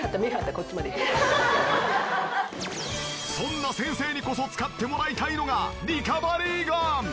そんな先生にこそ使ってもらいたいのがリカバリーガン！